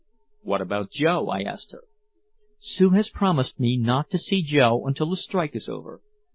"What about Joe?" I asked her. "Sue has promised me not to see Joe until the strike is over.